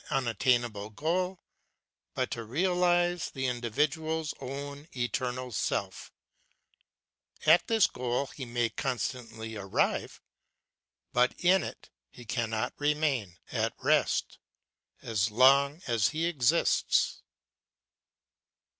1 75 unattainable goal, but to realize the individual's own eternal self; at this goal he may constantly arrive, but in it he cannot remain, at rest, as long as he exists.